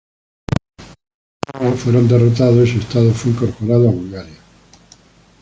Los serbios fueron derrotados y su estado fue incorporado a Bulgaria.